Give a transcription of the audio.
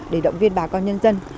để động viên bà con nhân dân